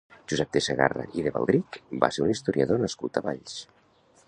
Josep de Segarra i de Baldric va ser un historiador nascut a Valls.